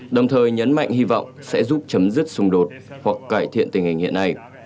đồng thời nhấn mạnh hy vọng sẽ giúp chấm dứt xung đột hoặc cải thiện tình hình hiện nay